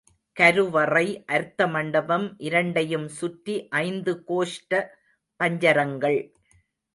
கருவறை, அர்த்தமண்டபம் இரண்டையும் சுற்றி ஐந்து கோஷ்ட பஞ்சரங்கள்.